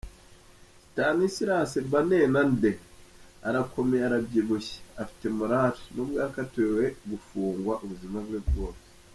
Stanislas Mbanenande arakomeye, arabyibushye, afite «morale», n’ubwo yakatiwe gufungwa ubuzima bwe bwose.